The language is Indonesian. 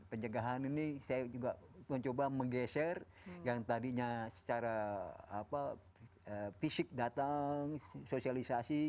pencegahan ini saya juga mencoba menggeser yang tadinya secara fisik datang sosialisasi